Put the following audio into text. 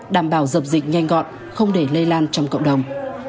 đảm bảo dập dịch nhanh gọn không để lây lan trong cộng đồng